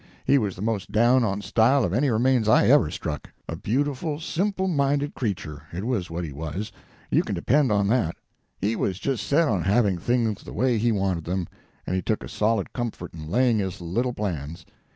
He was the most down on style of any remains I ever struck. A beautiful, simple minded creature it was what he was, you can depend on that. He was just set on having things the way he wanted them, and he took a solid comfort in laying his little plans.